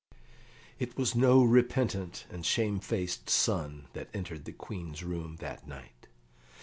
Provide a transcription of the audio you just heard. It was no repentant and shamefaced son that entered the Queen's room that night.